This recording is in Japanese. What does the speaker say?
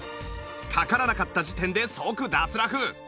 かからなかった時点で即脱落